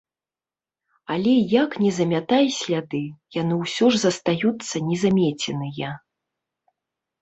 Але як не замятай сляды, яны ўсё ж застаюцца не замеценыя.